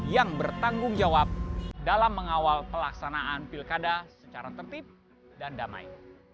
yang bertanggung jawab dalam mengawal pelaksanaan pilkada secara tertib dan damai